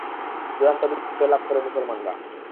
চূড়ান্ত বিজয় লাভ করে মুসলমানরা।